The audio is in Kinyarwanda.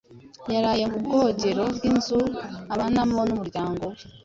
yaraye mu bwogero bw'inzu abanamo n'umuryango we